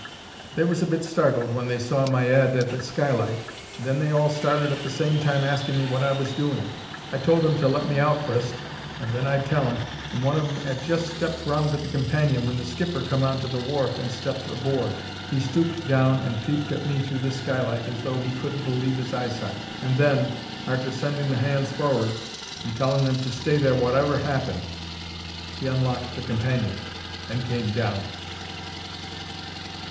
"They was a bit startled when they saw my 'ead at the skylight, and then they all started at the same time asking me wot I was doing. I told 'em to let me out fust and then I'd tell 'em, and one of 'em 'ad just stepped round to the companion when the skipper come on to the wharf and stepped aboard. He stooped down and peeped at me through the skylight as though he couldn't believe 'is eyesight, and then, arter sending the hands for'ard and telling 'em to stay there, wotever 'appened, he unlocked the companion and came down."